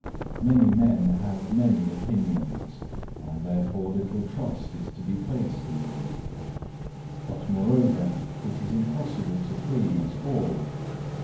Many men have many opinions, and therefore little trust is to be placed in them. But moreover it is impossible to please all.